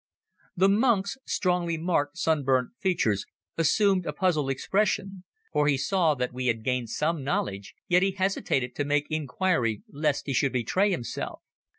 The monk's strongly marked, sunburnt features assumed a puzzled expression, for he saw that we had gained some knowledge, yet he hesitated to make inquiry lest he should betray himself.